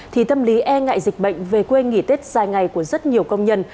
thì tâm lý e ngại dịch bệnh về quê nghỉ tết dài ngày của rất nhiều công nhân